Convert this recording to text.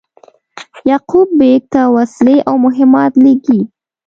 یعقوب بېګ ته وسلې او مهمات لېږي.